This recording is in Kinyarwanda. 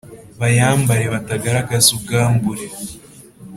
bayambare batagaragaza ubwambure